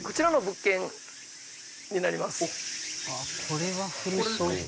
これは古そう。